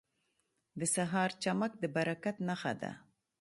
• د سهار چمک د برکت نښه ده.